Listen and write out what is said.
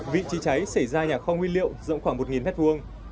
vị trí cháy xảy ra nhà kho nguyên liệu rộng khoảng một mét vuông